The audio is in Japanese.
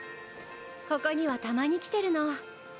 ここにはたまに来てるの。